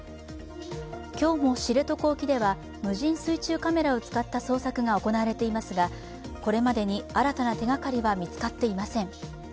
今日も知床沖では無人水中カメラを使った捜索が行われていますが、これまでに新たな手がかりは見つかっていません。